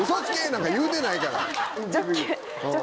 なんか言うてないから。